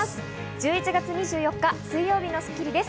１１月２４日、水曜日の『スッキリ』です。